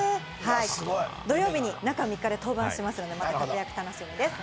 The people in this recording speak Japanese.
土曜日に中３日で登板しますので楽しみですね。